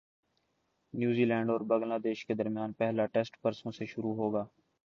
نیوزی Zealand Bangladesh کے درمیان پہلا ٹیسٹ پرسوں سے شروع ہوگا